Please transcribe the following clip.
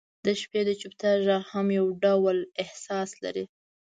• د شپې د چوپتیا ږغ هم یو ډول احساس لري.